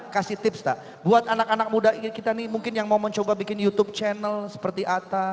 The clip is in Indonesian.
kasih tips tak buat anak anak muda kita nih mungkin yang mau mencoba bikin youtube channel seperti atta